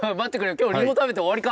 今日リンゴ食べて終わりか！